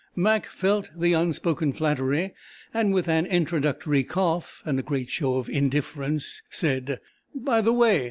Mac felt the unspoken flattery, and with an introductory cough, and a great show of indifference, said: "By the way!